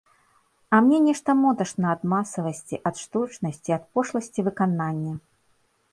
А мне нешта моташна ад масавасці, ад штучнасці, ад пошласці выканання.